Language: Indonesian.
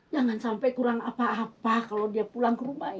jangan sampai kurang apa apa kalau dia pulang ke rumah